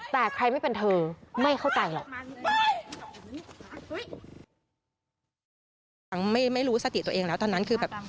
แต่ใครไม่เป็นเธอไม่เข้าใจหรอก